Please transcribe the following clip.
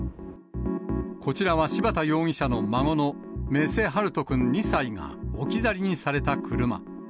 こちらは柴田容疑者の孫の目瀬陽翔くん２歳が置き去りにされた車。